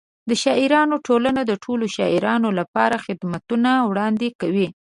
د شاعرانو ټولنه د ټولو شاعرانو لپاره خدمتونه وړاندې کوي.